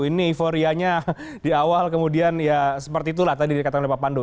ini euforianya di awal kemudian ya seperti itulah tadi dikatakan oleh pak pandu